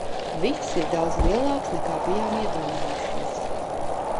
Viss ir daudz lielāks, nekā bijām iedomājušies.